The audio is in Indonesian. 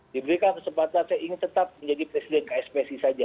diberikan kesempatan saya ingin tetap menjadi presiden kspsi saja